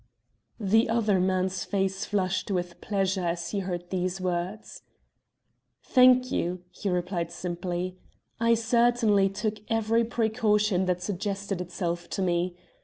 The other man's face flushed with pleasure as he heard these words. "Thank you," he replied simply. "I certainly took every precaution that suggested itself to me.